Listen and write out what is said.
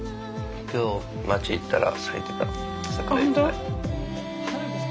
今日町行ったら咲いてた桜いっぱい。